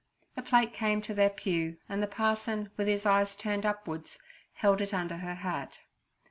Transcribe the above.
The plate came to their pew, and the parson, with his eyes turned upward, held it under her hat.